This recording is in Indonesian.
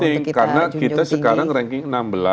junjukin ini penting karena kita sekarang ranking enam belas